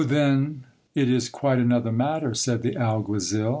then it is quite another matter, said the alguazil.